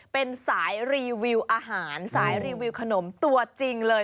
เป็นสายรีวิวอาหารสายรีวิวขนมตัวจริงเลย